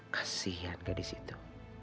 kasian gadis itu